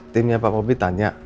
timnya pak bobby tanya